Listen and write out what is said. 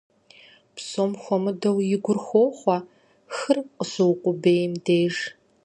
Псом хуэмыдэу и гур хохъуэ хыр къыщыукъубейм деж.